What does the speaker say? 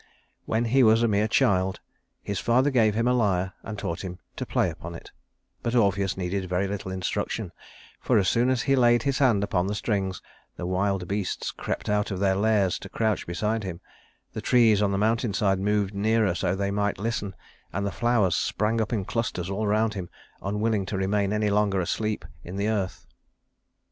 When he was a mere child, his father gave him a lyre and taught him to play upon it; but Orpheus needed very little instruction, for as soon as he laid his hand upon the strings the wild beasts crept out of their lairs to crouch beside him; the trees on the mountain side moved nearer so that they might listen; and the flowers sprang up in clusters all around him, unwilling to remain any longer asleep in the earth.